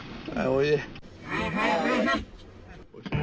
はいはいはいはい。